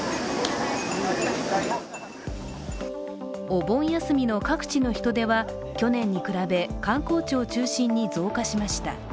お盆休みの各地の人出は去年に比べ、観光地を中心に増加しました。